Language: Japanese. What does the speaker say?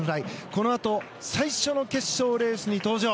このあと最初の決勝レースに登場。